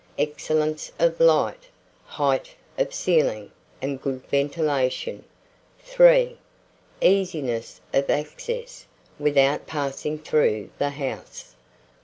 Excellence of light, height of ceiling, and good ventilation. 3. Easiness of access, without passing through the house.